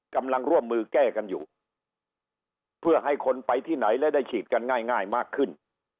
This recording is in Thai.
กำลังร่วมมือแก้กันอยู่เพื่อให้คนไปที่ไหนและได้ฉีดกันง่ายมากขึ้น